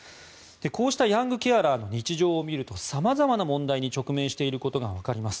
こうしたヤングケアラーの日常を見ると様々な問題に直面していることがわかります。